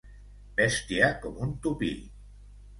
Bèstia com un tupí.